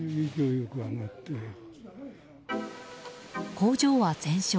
工場は全焼。